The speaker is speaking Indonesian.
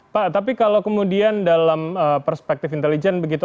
pak tapi kalau kemudian dalam perspektif intelijen begitu